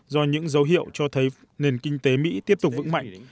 do những dấu hiệu cho thấy nền kinh tế mỹ tiếp tục vững mạnh